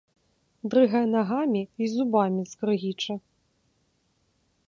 Дрыгае нагамі й зубамі скрыгіча.